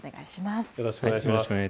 よろしくお願いします。